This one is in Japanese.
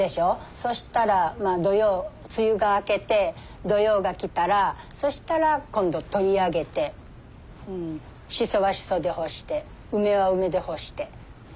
そしたら土用梅雨が明けて土用が来たらそしたら今度取り上げてしそはしそで干して梅は梅で干して。